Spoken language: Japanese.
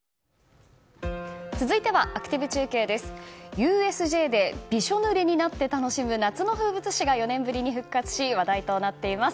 ＵＳＪでびしょぬれになって楽しむ夏の風物詩が４年ぶりに復活し話題となっています。